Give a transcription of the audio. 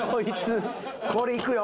これいくよ。